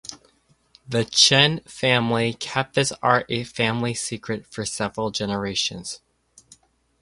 The Chen family kept this art a family secret for several generations.